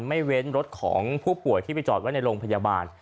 เว้นรถของผู้ป่วยที่ไปจอดไว้ในโรงพยาบาล